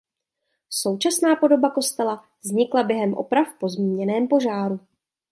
Současná podoba kostela vznikla během oprav po zmíněném požáru.